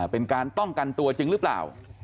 เป็นการป้องกันตัวจริงหรือเปล่า